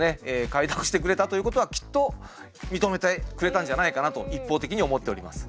快諾してくれたということはきっと認めてくれたんじゃないかなと一方的に思っております。